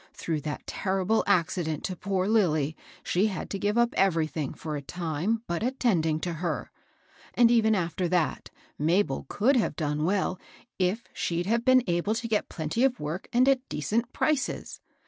Throng]^ that terrible accident to poor Lilly, she had to give up everything, for a time, but attending to her. But, even after that, Mabel could ha, ve done well if she'd been able to get plenty of work and at de^ cent prices.